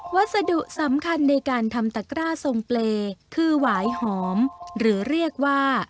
วัสดุสำคัญในการทำตะกร้าทรงเปรย์คือหวายหอมหรือเรียกว่า